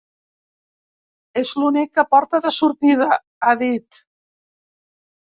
“És l’única porta de sortida”, ha dit.